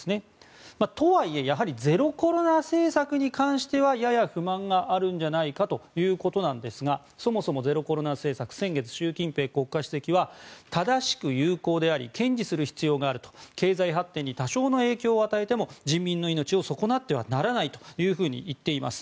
とはいえゼロコロナ政策に関してはやや不満があるんじゃないかということなんですがそもそもゼロコロナ政策先月、習近平国家主席は正しく有効であり堅持する必要があると経済発展に多少の影響を与えても人民の命を損なってはならないと発言しております。